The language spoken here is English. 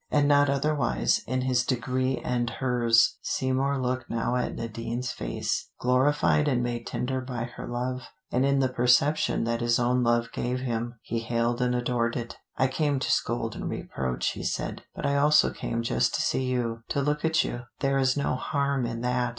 And not otherwise, in his degree and hers, Seymour looked now at Nadine's face, glorified and made tender by her love, and in the perception that his own love gave him, he hailed and adored it.... "I came to scold and reproach," he said, "but I also came just to see you, to look at you. There is no harm in that.